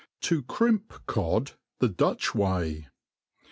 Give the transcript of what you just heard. To crimp Cod the Dutch TVaj.